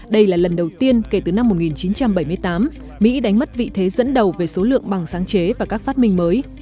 đây là lần đầu tiên kể từ năm một nghìn chín trăm bảy mươi tám mỹ đánh mất vị thế dẫn đầu về số lượng bằng sáng chế và các phát minh mới